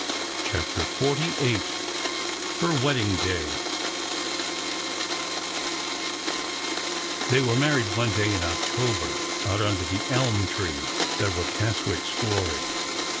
CHAPTER XLVIII HER WEDDING DAY "^HEY were married, one day in October, out under JL the elm trees that were Keswick's glory.